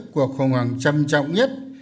cuộc khủng hoảng trầm trọng nhất